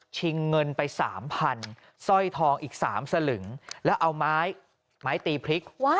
เงินไป๓๐๐๐สร้อยทองอีก๓สลึงแล้วเอาไม้ตีพริก